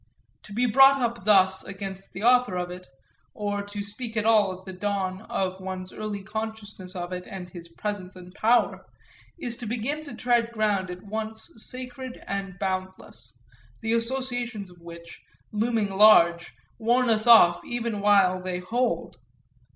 To be brought up thus against the author of it, or to speak at all of the dawn of one's early consciousness of it and of his presence and power, is to begin to tread ground at once sacred and boundless, the associations of which, looming large, warn us off even while they hold.